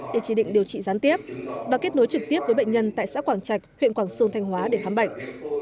để chỉ định điều trị gián tiếp và kết nối trực tiếp với bệnh nhân tại xã quảng trạch huyện quảng sương thanh hóa để khám bệnh